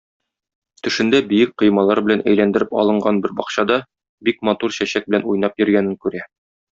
Төшендә биек коймалар белән әйләндереп алынган бер бакчада бик матур чәчәк белән уйнап йөргәнен күрә.